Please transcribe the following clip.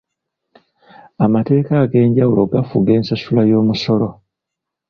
Amateeka ag'enjawulo gafuga ensasula y'omusolo.